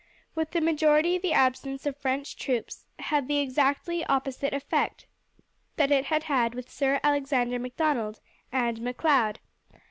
With the majority the absence of French troops had the exactly opposite effect that it had had with Sir Alexander Macdonald and Macleod.